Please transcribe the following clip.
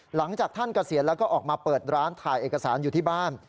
หลังจากท่านเกษียณแล้วก็ออกมาเปิดร้านถ่ายเอกสารอยู่ที่บ้าน